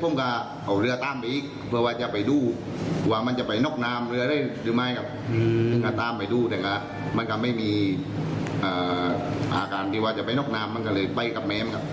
พวกมันก็เอาเรือตามไปอีกเพื่อว่าจะไปดูว่ามันจะไปนอกนามเรือได้หรือไม่ครับ